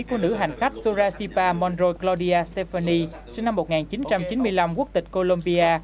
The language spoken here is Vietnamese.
của nữ hành khách surasipa monroe claudia stephanie sinh năm một nghìn chín trăm chín mươi năm quốc tịch colombia